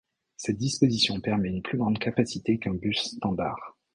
Cette disposition permet une plus grande capacité qu'un bus standard.